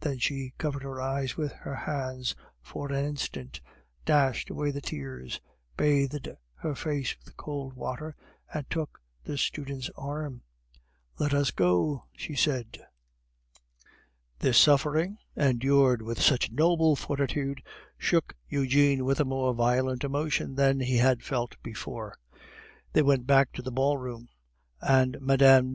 Then she covered her eyes with her hands for an instant, dashed away the tears, bathed her face with cold water, and took the student's arm. "Let us go!" she said. This suffering, endured with such noble fortitude, shook Eugene with a more violent emotion than he had felt before. They went back to the ballroom, and Mme.